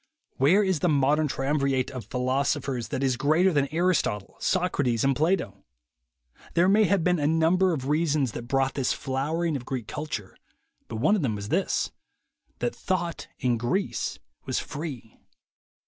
Where is the modern triumvirate of philos ophers that is greater than Aristotle, Socrates and Plato? There may have been a number of reasons 158 THE WAY TO WILL POWER that brought this flowering of Greek culture, but one of them was this : that thought in Greece was free.